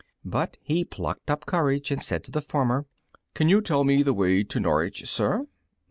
But he plucked up courage and said to the farmer, "Can you tell me the way to Norwich, sir?"